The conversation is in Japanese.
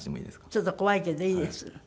ちょっと怖いけどいいです。